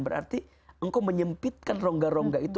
berarti engkau menyempitkan rongga rongga itu